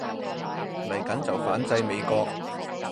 嚟緊就反制美國